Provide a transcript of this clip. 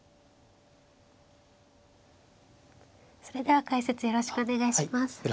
それでは解説よろしくお願いします。